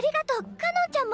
かのんちゃんも！